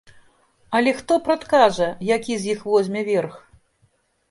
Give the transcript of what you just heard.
Але хто прадкажа, які з іх возьме верх?